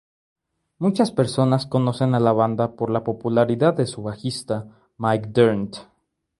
Muchas personas conocen a la banda por la popularidad de su bajista, Mike Dirnt.